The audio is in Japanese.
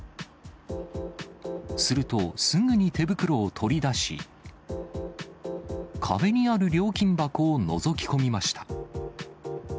すると、すぐに手袋を取り出し、壁にある料金箱をのぞき込みました。